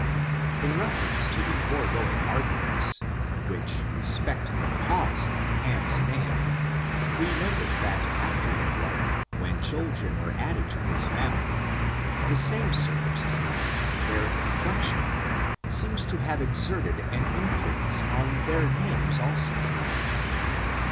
In reference to the foregoing arguments, which re spect the cause of Ham's name, we notice that after the flood, when children were added to his family, the same circumstance, their complexion^ seems to have exerted an influence on their names also.